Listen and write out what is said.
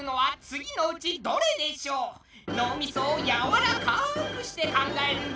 脳みそをやわらかくして考えるんじゃぞ。